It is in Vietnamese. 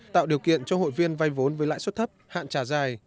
tạo điều kiện cho hội viên vay vốn với lãi suất thấp hạn trả dài